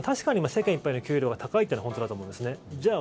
確かに世間一般の給料が高いということだと思うんです。